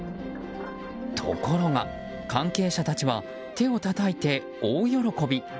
ところが、関係者たちは手をたたいて大喜び。